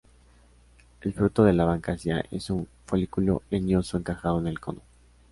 El fruto de la "Banksia" es un folículo leñoso encajado en el "cono".